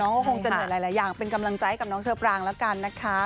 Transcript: ก็คงจะเหนื่อยหลายอย่างเป็นกำลังใจกับน้องเชอปรางแล้วกันนะคะ